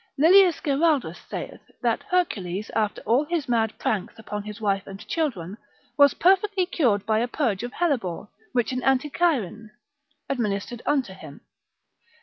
Lilius Geraldus saith, that Hercules, after all his mad pranks upon his wife and children, was perfectly cured by a purge of hellebore, which an Anticyrian administered unto him.